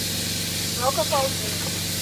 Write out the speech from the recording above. Uirapuru Transmissora de Energia